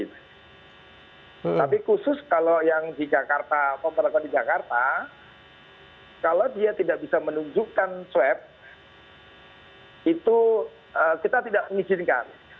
tapi khusus kalau yang di jakarta pemerintah di jakarta kalau dia tidak bisa menunjukkan swab itu kita tidak mengizinkan